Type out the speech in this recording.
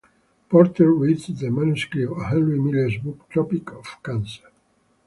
Porter read the manuscript of Henry Miller's book Tropic of Cancer.